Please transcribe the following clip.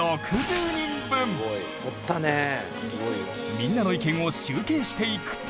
みんなの意見を集計していくと。